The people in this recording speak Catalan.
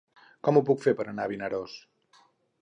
Com ho puc fer per anar a Vinaròs?